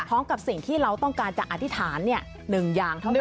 พร้อมกับสิ่งที่เราต้องการจะอธิษฐานหนึ่งอย่างเท่านั้น